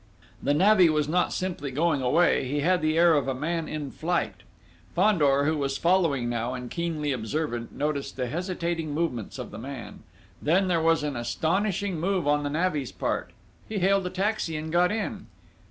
The navvy was not simply going away, he had the air of a man in flight. Fandor, who was following now and keenly observant, noticed the hesitating movements of the man then there was an astonishing move on the navvy's part: he hailed a taxi and got in.